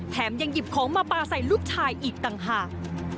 ยังหยิบของมาปลาใส่ลูกชายอีกต่างหาก